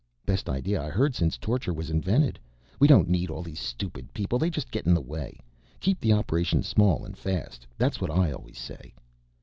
"Best idea I heard since torture was invented, we don't need all these stupid people. They just get in the way. Keep the operation small and fast, that's what I always say."